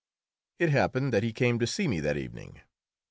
It happened that he came to see me that evening.